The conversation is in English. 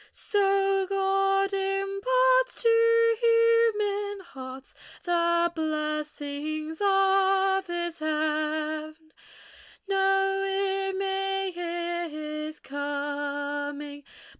So God imparts to human hearts The blessings of His heaven. No ear may hear His coming.